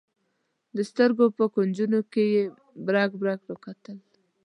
د سترګو په کونجونو کې یې برګ برګ راکتل.